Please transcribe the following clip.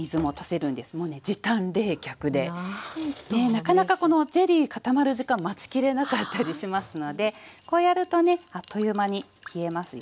なかなかこのゼリー固まる時間待ちきれなかったりしますのでこうやるとねあっという間に冷えますよ。